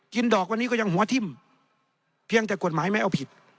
ดอกวันนี้ก็ยังหัวทิ่มเพียงแต่กฎหมายไม่เอาผิด